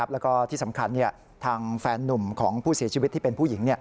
แล้วก็ที่สำคัญทางแฟนนุ่มของผู้เสียชีวิตที่เป็นผู้หญิง